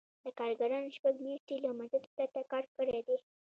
دا کارګرانو شپږ میاشتې له مزد پرته کار کړی دی